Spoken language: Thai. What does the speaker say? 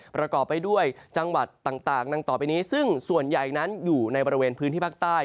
ประกอบไปด้วยจังหวัดต่างดังต่อไปนี้ซึ่งส่วนใหญ่นั้นอยู่ในบริเวณพื้นที่ภาคใต้